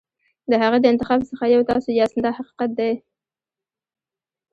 د هغې د انتخاب څخه یو تاسو یاست دا حقیقت دی.